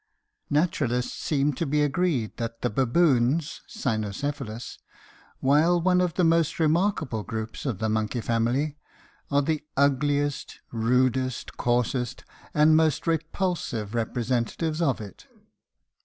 Naturalists seem to be agreed that the baboons (cynocephalus), while one of the most remarkable groups of the monkey family, are the ugliest, rudest, coarsest, and most repulsive representatives of it.